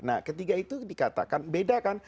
nah ketiga itu dikatakan beda kan